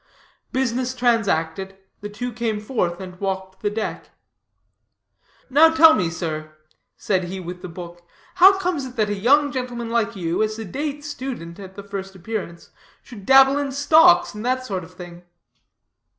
Business transacted, the two came forth, and walked the deck. "Now tell me, sir," said he with the book, "how comes it that a young gentleman like you, a sedate student at the first appearance, should dabble in stocks and that sort of thing?"